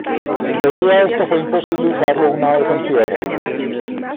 Debido a esto fue imposible usarlo una vez en tierra.